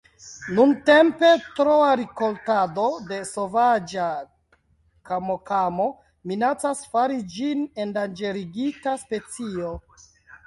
Nuntempe troa rikoltado de sovaĝa kamokamo minacas fari ĝin endanĝerigita specio.